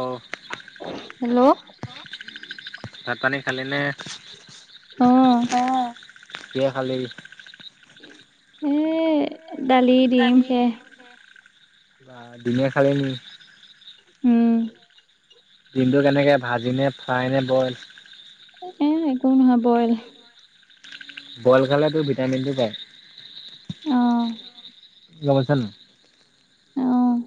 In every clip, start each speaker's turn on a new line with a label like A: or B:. A: অ',
B: [inaudible] hello
A: ভাত পানী খালি নে,
B: অ
A: অ', কিহে খালি?
B: এ
A: দালি, দিম সেইয়াই [inaudible] বা দিমে খালি নি।
B: উম,
A: দিমটো কেনেকে ভাজি নে ফ্ৰাই নে বইল?
B: এ, একো নহয় বইল।
A: বইল খালে তোৰ ভিটামিন টো পায়।
B: অ',
A: [unintelligible]
B: অ্'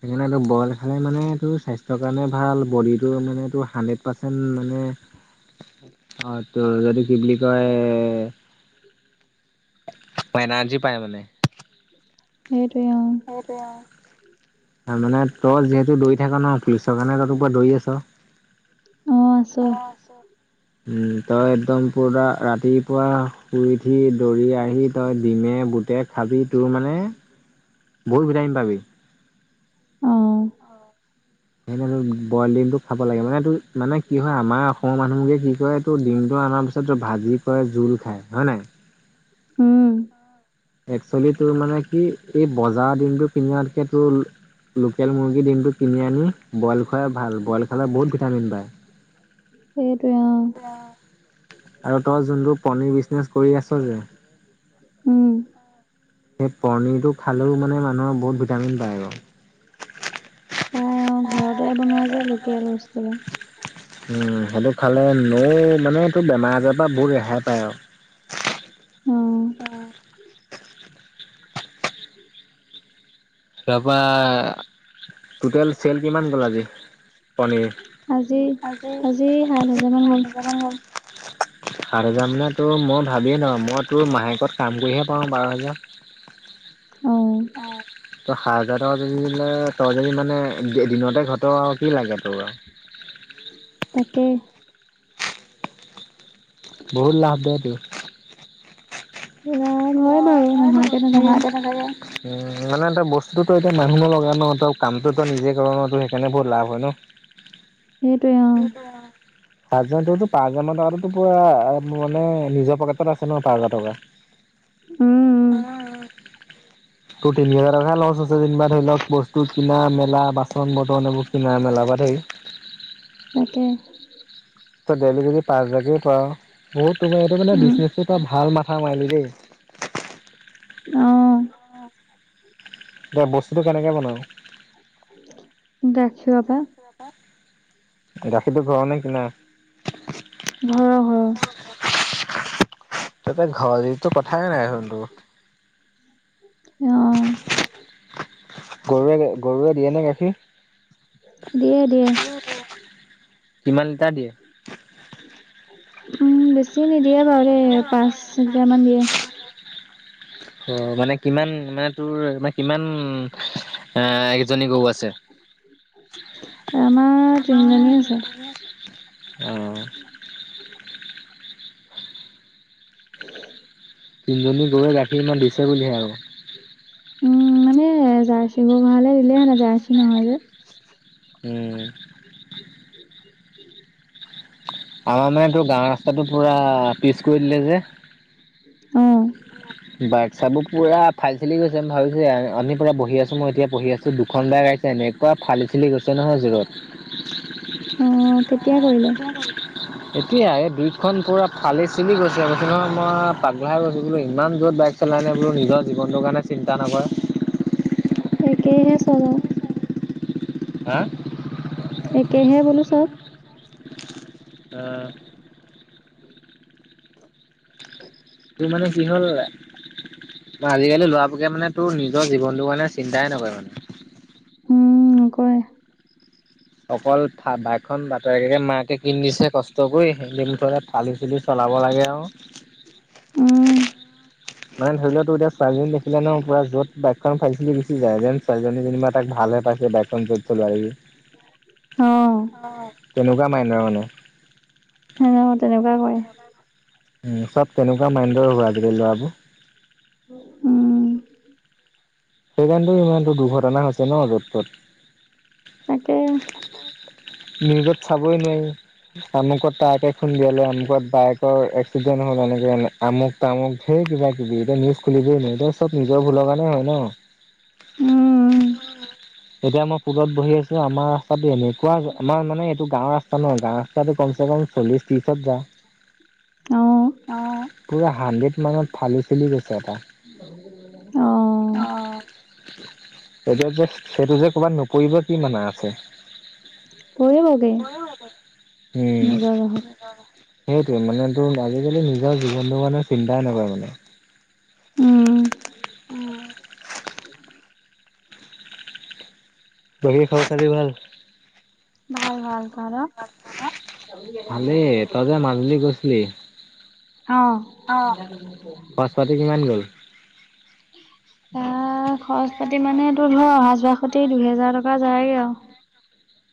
A: হেয়ি মানে বইল খালে মানে কি স্বাস্থ্যৰ কাৰণে ভাল, বডিটো মানে তোৰ হাণ্ড্ৰেড পাৰ্চেণ্ট মানে
B: [inaudible]
A: অ তোৰ এটো কি বুলি কয় এ্ এনাৰ্জি পায় মানে।
B: সেইটোৱে অ'
A: তাৰ মানে তই যিহেতু দৌৰি থাকা ন, পুলিচৰ কাৰণে তই টো পোৰা দৌৰি আছ
B: অ' আছো।
A: উম, তই এতদম পূৰা ৰাতিপুৱা শুই উঠি দৌৰি আহি তই ডিমে, বুটে খাবি তোৰ মানে, বহুত ভিটামিন পাবি।
B: অ্'
A: সেনেকে বইল দিমটো খাব লাগে মানে তোৰ মানে কি হয় আমাৰ অসমৰ মানুহবোকে কি কৰে তোৰ দিমটো অনাৰ পিছত ভাজি কৰে জোল খাই, হয় নাই?
B: উম্
A: একচলি তোৰ মানে কি এই বজাৰৰ ডিমটো কিনাতকে তোৰ লোকেল মুৰ্গীৰ ডিমটো কিনি আনি বইল খোৱাই ভাল, বইল খালে বহুত ভিটামিন পায়।
B: সেইটোৱেই অ
A: আৰু তই যোনটো পনীৰ বিজনেচ কৰি আছ যে
B: উম্
A: সেই পনীৰটো খালেও মানে মানুহৰ বহুত ভিটামিন পায় বাৰু।
B: অ্' ঘৰতে বনোৱা যে লোকেল বস্তু বা
A: উম্ সেইটো খালে মৌ্ মানে তু বেমাৰ-আজা পা বহুত ৰেহাই পায় আউ।
B: উম্
A: তাপা, টুটেল চেল কিমান গ'ল আজি? পনীৰ।
B: আজি
A: আজি,
B: সাত
A: আজি
B: হাজাৰ মান
A: সাত
B: গ'ল
A: হেজামান গ'ল। সাত হেজাৰ মানে তোৰ মই ভাবিয়ে নোৱা, মই তোৰ মাহেকত কাম কৰিহে পাওঁ বাৰ হেজাৰ।
B: অ্'
A: তই সাত হাজাৰ টকা যদি মানে তই যদি মানে দে-দিনতে ঘ'ট আৰু কি লাগে তোক আৰু।
B: তাকে
A: বহুত লাভ দে তুৰ।
B: লাভ হয় বাৰু
A: নহয়
B: নহাকে নাথাকে
A: [unintelligible] তে থাকে। উম্ মানে এটা বস্তুতো এতিয়া মানুহ নোলোগা ন ত' কামটো নিজে কৰা ন, তু সেকাৰণে বহুত লাভ হয় ন!
B: [inaudible] অ
A: সাতজানততু পাঁচহাজা মান থকা হেতেন তু পুৰা মোৰ মানে নিজৰ পকেটতে পাছে ন' পাঁচ হাজাৰ টকা।
B: উম্
A: অ অ তোৰ তিনি হেজাৰ টকাহে ল‌ও চাছো জিনিবা ধৰি লওক বস্তু কিনা, মেলা, বাচন-বৰ্তন এইবোৰ কিনা-মেলাৰ পৰা ধয়ি।
B: তাকে।
A: তই ডেইলী যদি পাঁচ হাজাৰকে পাওঁ, বহুত তোমাৰ এইটো মানে
B: উম
A: বিজনেছটো এটা ভাল মাথা মাৰিলি দেই।
B: অ্'
A: ব-বস্তুটো কেনেকে বনাওঁ?
B: গাখীৰৰ পৰা
A: গাখীৰটো ঘৰৰ নে কিনা?
B: ঘ'ৰ হয়।
A: তাকে ঘৰৰ যদিটো কথাই নাই চোন তো।
B: অ
A: গৰুৱে, গৰুৱে দিয়ে নে গাখীৰ?
B: দিয়ে, দিয়ে।
A: কিমান লিটাৰ দিয়ে?
B: উম, বেছি নিদিয়ে বাৰু দেই, পাঁচ লিটাৰমান দিয়ে।
A: অ মানে কিমান, মানে তোৰ মানে কিমান এ কেজনী গৰু আছে?
B: আমাৰ
A: আমাৰ
B: তিনিজনী আছে
A: তিনজনী আছে অ তিনজনী গৰুৱে গাখীৰ ইমান দিছে বুলিহে আৰু।
B: উম, মানে জাৰ্চি গৰু হোৱা হলে দিলে হেতেন, জাৰ্চি নহয় যে।
A: উম আমাৰ মানে তোৰ গাঁওৰ ৰাস্তাটো পুৰা পিচ কৰি দিলে যে।
B: অ!
A: বাইক-চাইকবোৰ পুৰা ফাই-চালি গৈছে আম ভাবিছো দেই আ আমি পুৰা বহি আছোঁ, মই এতিয়া পঢ়হি আছোঁ, দুখন বাইক আহিছ এনেকুৱা ফালি-চেলি গৈছে নহয় যোৰত
B: অ কেতিয়া কৰিলে?
A: এতিয়াই এ দুইখন পুৰা ফালি-চিলি গৈছে কৈছোঁ নহয়, মই পাগলা হৈ গৈছোঁ বোলো ইমান জুৰত বাইক চলাই নে বোলো, নিজৰ জীৱনটোৰ কাৰণে চিন্তা নকৰে।
B: একেইহে চবে।
A: হা
B: একেহে বোলো চব
A: এ তোৰ মানে কি হ'ল আজিকালি লৰা বোকে মানে তোৰ নি নিজৰ জীৱনটো কাৰণে চিন্তাই নকৰে মানে
B: উম কোৱা
A: অকল বাইকখন বাপেকে মায়েকে কিনি দিছে কষ্ট কৰি সেতি মুঠতে ফালি চিলি চলাব লাগে আউ
B: উম
A: মানে ধৰি লোৱা তোৰ এতিয়া ছোৱালীজনী দেখিলে ন পুৰা যোৱত বাইকখন ফালিছিলি গুচি যায় যেন ছোৱালজনী যেনিবা তাক ভাল হে পাইছে যে বাইকখন কত চলাবি
B: অ
A: অ তেনেকুৱা মাইণ্ডৰ মানে
B: সেনে অ তেনেকুৱাই কৰে
A: উম চব তেনেকুৱা মাইণ্ডৰ হয় আজিকালি ল'ৰাবোৰ
B: উম
A: সেইকাৰণটো ইমানটো দুৰ্ঘটনা হৈছে ন য'ত ত'ত
B: তাকে
A: নিউজত চাবই নোৱাৰি আমুকত ট্ৰাকে খুন্দিয়ালে আমুকত বাইকৰ এক্সিডেণ্ট হল এনেকে আমুক তামুক ধেৰ কিবা কিবি এতিয়া নিউজ খুলিবই ন এয়া চব নিজৰ ভুলৰ কাৰণে হয় ন
B: উম উম
A: যেতিয়া মই পুলত বহি আছো আমাৰ ৰাস্তাটো এনেকুৱা আমাৰ মানে ত গাঁওৰ ৰাস্তা নহয় গাঁওৰ ৰাস্তাটো কমচে কম চল্লিছ ত্ৰিছত যাও।
B: অ
A: পুৰা হাণ্ড্ৰেড মানত ফালি চেলি গৈছে এটা
B: অ
A: অ, বাইকত যে সেইটো যে ক'ৰবাত নপৰিব কি মানে আছে।
B: পৰিবগে
A: অ, উম,
B: নিজৰ জহত
A: হয়। সেইটোৱে মানে, তোৰ আজিকালি নিজৰ জীৱনটো মানে চিন্তাই নকৰে মানে।
B: উম।
A: বাকী খবৰ খাতি ভাল?
B: ভাল ভাল তহঁতৰ
A: ভালেই, তই যে মাজুলী গৈছিলি
B: অ।
A: তাতে কিমান গ'ল?
B: অহ, খৰচ- পাতি মানে তোৰ ধৰ, অহা জোৱা খতে দুহেজাৰ টকা যায়গে আৰু।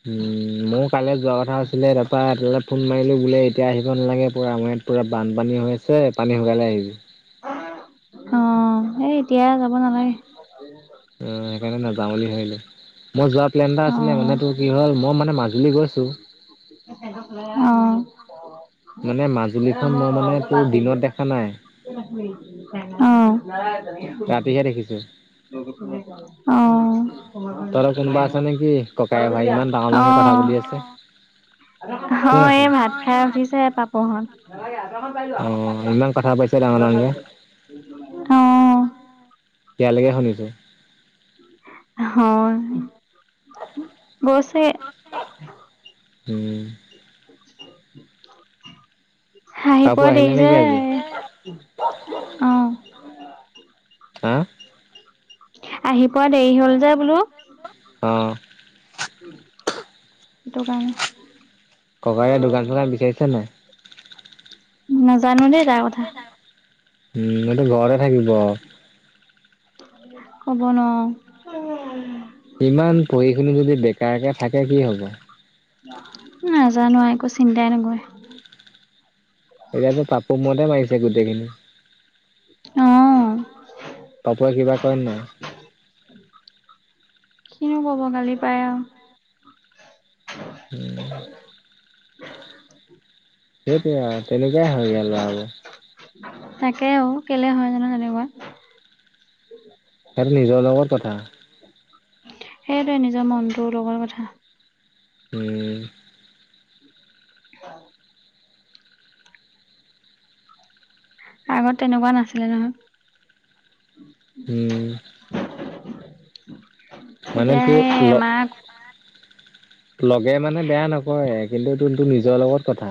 A: উম, মৰো কাইলৈ যোৱা কথা আছিলে, দ তাৰপৰা তালৈ ফোন মাৰিলোঁ বোলে এতিয়া আহিব নালাগে পৰা মই ইয়াত পুৰা বানপানী হৈ আছে। পানী শুকালে আহিবি।
B: অ, এই এতিয়া যাব নালাগে। [inaudible]
A: অ, সেইকাৰণে নাযাওঁ বুলি ভাবিলো। মই যোৱাৰ প্লেন এটা
B: অ
A: আছিলে মান, তোৰ কি হ'ল মই মানে মাজুলী গৈছোঁ।
B: অ।
A: অ। মানে মাজুলীত
B: অ।
A: ৰাতিহে দেখিছো। তহঁতৰ কোনোবা আছে নেকি ককাই ভাই ইমান
B: অ।
A: ডাঙৰ- ডাঙৰকে কথা পাতি আছে। কোন
B: হয়,
A: আছে
B: এই ভাত খাই উঠিছে পাপ অ, নালাগে আঁঠুৱা খন পাৰি লোৱা
A: অ ইমান কথা পাতিছে ডাঙৰ
B: মই
A: ডাঙৰকে
B: গৈছোঁ। অ।
A: ইয়ালৈকে শুনিছোঁ।
B: হয়, গৈছে।
A: উম।
B: আহি
A: পাপু
B: পোৱা
A: আহিলে
B: দেৰি যে?
A: নেকি আজি?
B: অ।
A: হা?
B: আহি পোৱা দেৰি হল যে বোলো?
A: অঁ।
B: এইটো কাৰণে।
A: ককায়ে দোকান- চোকান বিচাৰিছে নাই?
B: নাজানো দেই তাৰ কথা।
A: উম, এইটো ঘৰতে থাকিব আৰু।
B: ক'ব নোৱাৰো।
A: ইমান পঢ়ি শুনি যদি বেকাৰকে থাকে কি হ'ব?
B: নাজানো একো চিন্তাই নকৰে।
A: এতিয়াতো পাপুৰ মূৰতে মাৰিছে, গোটেইখিনি।
B: অ।
A: পাপুৱে কিবা কয় নে নাই?
B: কিনো ক'ব, গালি পাৰে আৰু।
A: [unintelligible] সেইটোয়ে আৰু তেনেকুৱাই হয়গৈ লৰাবোৰ।
B: তাকে অ কেলে হয় জানো তেনেকুৱা।
A: সেইটো নিজৰ লগত কথা।
B: সেইটোৱে নিজৰ মনটো লগৰ কথা।
A: উম।
B: অ। আগত তেনেকুৱা নাছিলে নহয়।
A: উম। মানে
B: তেতিয়া
A: তোৰ
B: হে
A: ল
B: মাক
A: লগে মানে বেয়া নকয়, কিন্তু তোৰ টো নিজৰ লগত কথা।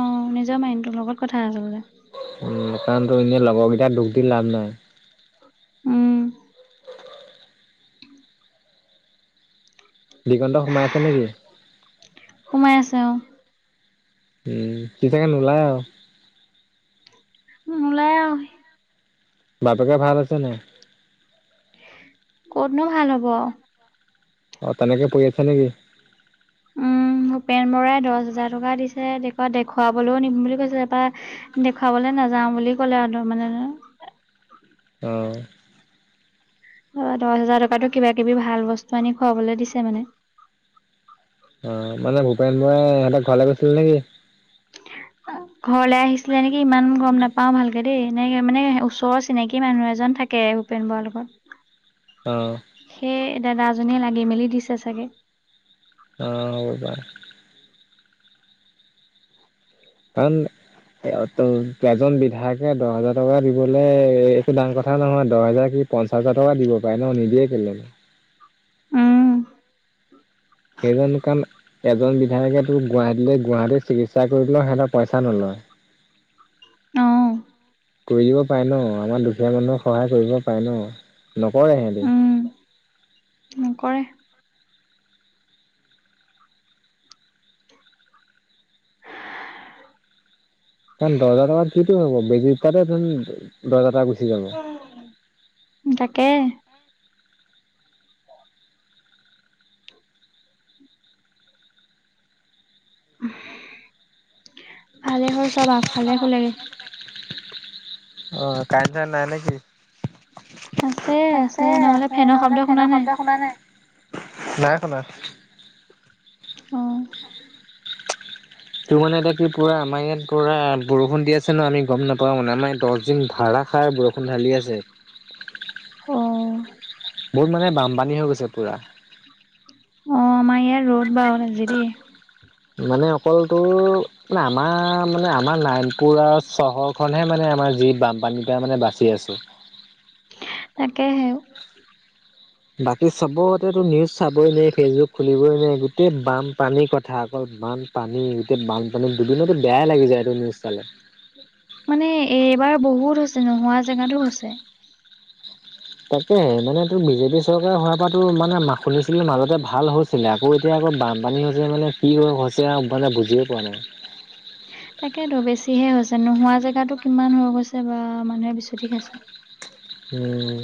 B: অ নিজৰ মাইণ্ডটোৰ লগত কথা আচলতে।
A: উম 'কাৰণ তোৰ এনে লগৰকেইটাৰ দোষ দি লাভ নাই।
B: উম।
A: দিগন্ত সোমাই আছে নেকি?
B: সোমাই আছে অ।
A: উম সি চাগে নোলায় আও।
B: নোলাই আও।
A: বাপেকে ভাল হৈছে নাই।
B: ক'তনো ভাল হ'ব আও।
A: অ তেনেকে পৰি আছে নেকি।
B: উম ভূপেন বৰাই দহ হাজাৰ টকা দিছে, দেখুৱাবলৈও নিম বুলি কৈছে, তাপা দেখুৱাবলৈ নাযাও বুলি ক'লে আৰু
A: অ।
B: তাপা দহ হাজাৰ টকাতো কিবা কিবি ভাল বস্তু আনি খুৱাবলে দিছে মানে।
A: অ মানে ভূপেন বৰাই হঁতৰ ঘৰলে গৈছিলে নেকি?
B: ঘৰলে আহিছিলে নেকি ইমান গম নাপাও ভালকে দেই, এনে মানে ওচৰৰ চিনাকি মানুহ এজন থাকে। ভূপেন বৰা লগত।
A: অ।
B: সেই দাদাজনীয়ে লাগি মেলি দিছে চাগে।
A: অ হব পাৰে। ভালহে। এজন বিধায়কে দহ হোজাৰ টকা দিবলে এ একো ডাঙৰ কথা নহয়, দহ হেজাৰ কি পঞ্চাচ হাজাৰ টকা দিব পাৰে ন, নিদিয়ে কেলে।
B: উম।
A: [unintelligible] এজন বিধায়কে তোক গুৱাহাটীলৈ, গুৱাহাটী চিকিৎসা কৰি পেলাইও সিহঁতৰ পইচা নলয়।
B: অ।
A: কৰিব দিব পাৰে ন, আমাৰ দুখীয়া মানুহক সহায় কৰিব পাৰে ন, নকৰে সিহঁতি।
B: উম নকৰে।
A: কাৰণ দহ হেজাৰ টকাত কিটো হ'ব, বেজি দুটাতে চোন দহজাৰ টকা গুচি যাব।
B: তাকে। ভালে হ'ল চব আগফালে শুলেগে।
A: অ কাৰেণ্ট চাৰেণ্ট নাই নেকি?
B: আছে নহলে
A: আছে,
B: ফেনৰ শব্দ
A: নহ'লে
B: শুনা
A: ফেনৰ
B: নাই
A: শব্দ শুনা নাই। নাই শুনা।
B: অ।
A: তোৰ মানে এতিয়া কি পুৰা আমাৰ ইয়াত পুৰা বৰষুণ দি আছে ন। আমি গম নাপাও মানে আমাৰ দচ দিন ধাৰা -ষাৰ বৰষুণ ঢালি আছে।
B: অঁ।
A: বহুত মানে বামপানী হৈ গৈছে পুৰা।
B: অ আমা ইয়াত ৰ'দ বা উলাইছে দেই।
A: মানে অকল তোৰ মানে আমাৰ মানে আমাৰ নাৰণপুৰ চহৰখনহে মানে আমাৰ যি বামপানীপাই মানে বাচি আছো।
B: তাকেহে উ।
A: বাকী চবতেতো নিউজ চাবই নোৱাই, ফেচবুক খুলিবই নোৱাৰি, গোটেই বামপানী কথা অকল বান পানী গোটেই বানপানীতে দুবিলওটো বেয়াই লাগি যায়। এইটো নিউজ চালে।
B: মানে এইবাৰ বহুত হৈছে। নোহোৱা জেগাতো হৈছে।
A: তাকেহে। মানে তোৰ বিজেপি চৰকাৰ হোৱাৰ পৰা তো মানে মা শুনিছিল মাজতে ভাল হৈ- -ছিলে আকৌ এতিয়া আকৌ বামপানী হৈছে মানে কি হৈছে আও, মানে বুজিয়ে পোৱা নাই।
B: তাকেতো বেছিহে হৈছে। নোহোৱা জেগাতো কিমান হৈ গৈছে বা মানুহে বিচুতি খাইছে।
A: উম।